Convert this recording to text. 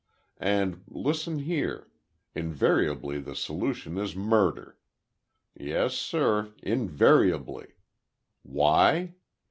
And, listen here; invariably the solution is murder. Yes, sir—invariably! Why?